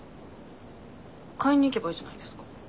買いに行けばいいじゃないですか。